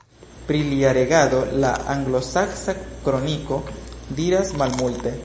Pri lia regado la Anglosaksa Kroniko diras malmulte.